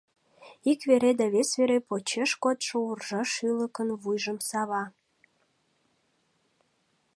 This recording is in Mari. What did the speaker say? Ик вере да вес вере почеш кодшо уржа шӱлыкын вуйжым сава.